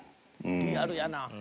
リアルやな。